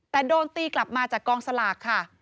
แต่โดนตีกลับมาจากกองสลากค่ะ